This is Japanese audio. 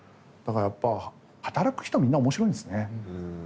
だからやっぱ働く人みんな面白いんですね。